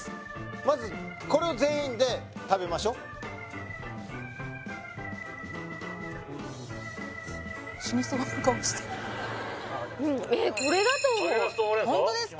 まずこれを全員で食べましょ死にそうな顔してるホントですか？